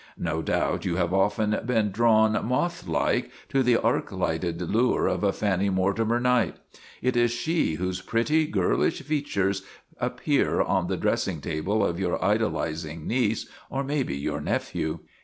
No doubt you have often been drawn moth like to the arc lighted lure of a Fanny Mortimer night. It is she whose pretty, girlish features appear on the dress ing table of your idolizing niece (or maybe your nephew)